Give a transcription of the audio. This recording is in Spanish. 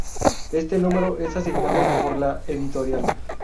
Este número es asignado por la editorial.